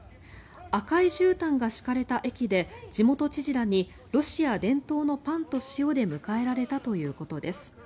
赤いじゅうたんが敷かれた駅で地元知事らにロシア伝統のパンと塩で迎えられたということです。